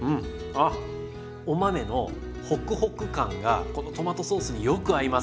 ああお豆のホクホク感がこのトマトソースによく合いますね。